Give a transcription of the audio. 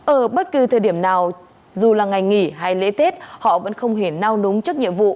ở bất cứ thời điểm nào dù là ngày nghỉ hay lễ tết họ vẫn không hề nao núng chức nhiệm vụ